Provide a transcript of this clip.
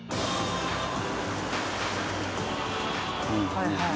はいはい。